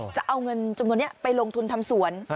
จะเอาเงินจำนวนนี้ไปลงทุนทำสวน